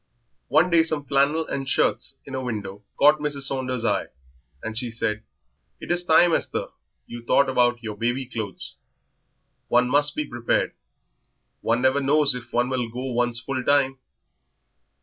One day some flannel and shirts in a window caught Mrs. Saunder's eye, and she said "It is time, Esther, you thought about your baby clothes. One must be prepared; one never knows if one will go one's full time."